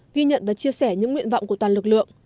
ghi nhận và chia sẻ những nguyện vọng của toàn lực lượng